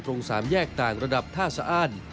ตรงสามแยกต่างระดับท่าสะอ้าน